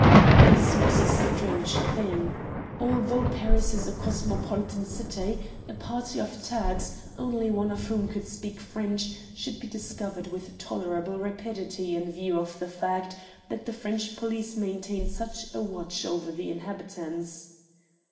This was a strange thing. Although Paris is a cosmopolitan city, a party of Turks, only one of whom could speak French, should be discovered with tolerable rapidity in view of the fact that the French police maintain such a watch upon the inhabitants.